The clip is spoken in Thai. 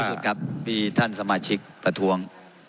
ท่านเซรีพูดสุดครับมีท่านสมาชิกประท้วง